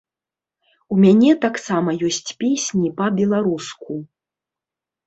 У мяне таксама ёсць песні па-беларуску.